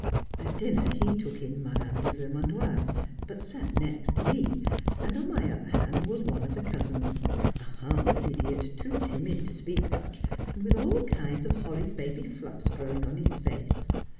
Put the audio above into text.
At dinner he took in Mme. de Vermandoise, but sat next me, and on my other hand was one of the cousins, a harmless idiot too timid to speak much, and with all kinds of horrid baby fluffs growing on his face.